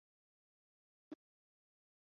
山脉的气候十分干燥。